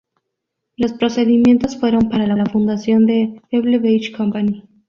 Los procedimientos fueron para la fundación de Pebble Beach Company.